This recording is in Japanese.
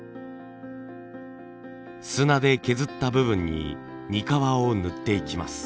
砂で削った部分ににかわを塗っていきます。